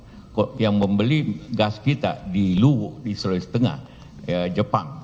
itu kontranya tiga puluh empat puluh tahun juga yang membeli gas kita di luwo di sulawesi tengah jepang